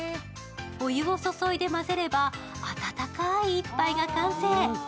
お湯を注いでまぜれば、あたたかい一杯が完成。